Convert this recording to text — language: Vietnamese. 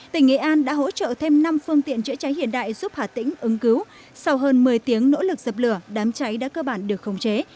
tỉnh nghệ an đã hỗ trợ thêm năm phương tiện chữa cháy hiện đại giúp hà tĩnh ứng cứu sau hơn một mươi tiếng nỗ lực dập lửa đám cháy đã cơ bản được khống chế